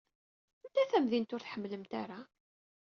Anta tamdint ur tḥemmlemt ara?